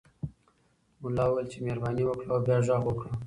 ملا وویل چې مهرباني وکړه او بیا غږ وکړه.